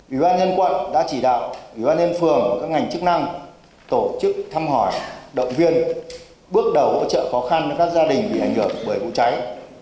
ủy ban nhân quận đã chỉ đạo ủy ban nhân phường và các ngành chức năng tổ chức thăm hỏi động viên bước đầu hỗ trợ khó khăn cho các gia đình bị ảnh hưởng bởi vụ cháy